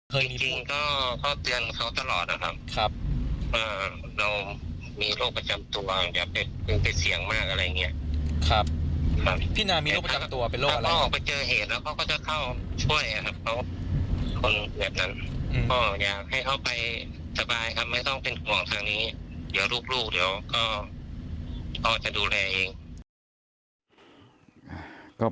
ข้ออยากให้เขาไปสบายครับไม่ต้องเป็นกว้างเท่านี้เดี๋ยวลูกฆ์เดี๋ยวข้อจะดูแลเอง